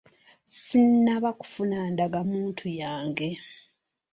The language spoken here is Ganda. Sinnaba kufuna ndagamuntu yange.